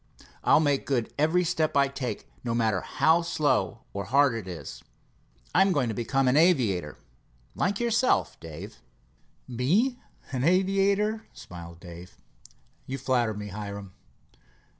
"I'll make good every step I take, no matter how slow or hard it is, I'm going to become an aviator, like yourself, Dave." "Me an aviator?" smiled Dave. "You flatter me, Hiram."